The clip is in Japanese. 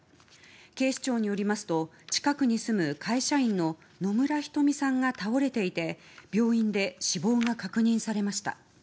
警視庁によりますと近くに住む会社員の野村瞳さんが倒れていて病院で死亡が確認されました。